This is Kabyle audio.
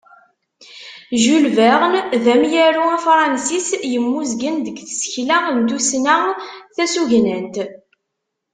Jules Verne d amyaru afransis yemmuzgen deg tsekla n tussna tasugnant.